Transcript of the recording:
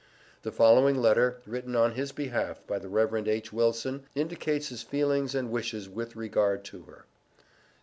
The following letter, written on his behalf by the Rev. H. Wilson, indicates his feelings and wishes with regard to her: ST.